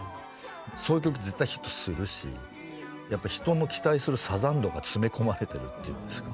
そういう曲絶対ヒットするし人の期待するサザン度が詰め込まれてるっていいますか。